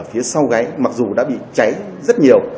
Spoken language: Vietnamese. và ở phía sau gáy mặc dù đã bị cháy rất nhiều